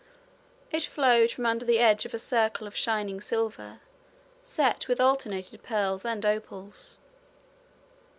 It flowed from under the edge of a circle of shining silver, set with alternated pearls and opals.